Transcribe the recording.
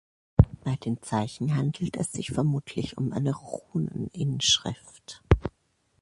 Bei den Zeichen handelt es sich vermutlich um eine Runeninschrift.